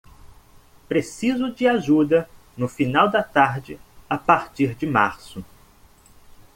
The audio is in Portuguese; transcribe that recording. Preciso de ajuda no final da tarde, a partir de março.